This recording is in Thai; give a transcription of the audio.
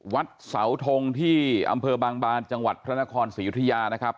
วัดเสาทงที่อำเภอบางบานจังหวัดพระนครศรียุธยานะครับ